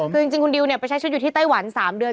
คือจริงคุณดิวไปใช้ชุดอยู่ที่ไต้หวัน๓เดือน